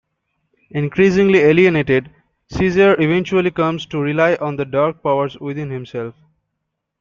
Increasingly alienated, Cesare eventually comes to rely on the dark powers within himself.